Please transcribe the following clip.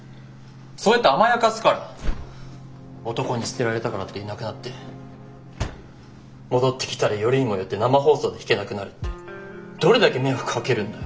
そうやって甘やかすから男に捨てられたからっていなくなって戻ってきたらよりにもよって生放送で弾けなくなるってどれだけ迷惑かけるんだよ。